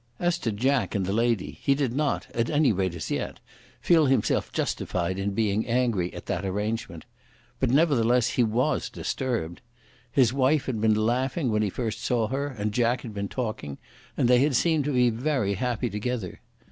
As to "Jack" and the lady he did not, at any rate as yet, feel himself justified in being angry at that arrangement. But nevertheless he was disturbed. His wife had been laughing when he first saw her, and Jack had been talking, and they had seemed to be very happy together.